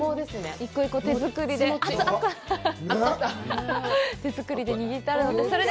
一個一個手作りで握ってあるので。